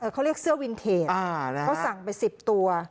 เขาเรียกเสื้อวินเทจเขาสั่งไป๑๐ตัว